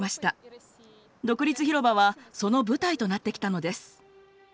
独立広場はその舞台となってきたのです。